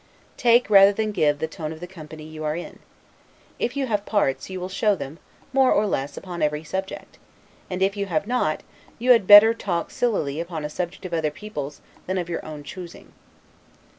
Take, rather than give, the tone of the company you are in. If you have parts, you will show them, more or less, upon every subject; and if you have not, you had better talk sillily upon a subject of other people's than of your own choosing.